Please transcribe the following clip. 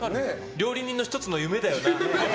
料理人の１つの夢だよな。